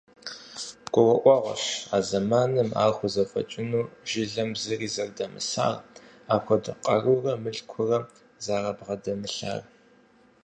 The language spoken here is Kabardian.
Гурыӏуэгъуэщ а зэманым ар хузэфӏэкӏыну жылэм зыри зэрыдэмысар, апхуэдэ къарурэ мылъкурэ зэрабгъэдэмылъар.